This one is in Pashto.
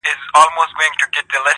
ما خپل گڼي اوس يې لا خـپـل نه يـمه.